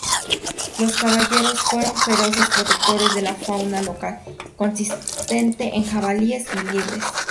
Los caballeros fueron feroces protectores de la fauna local, consistente en jabalíes y liebres.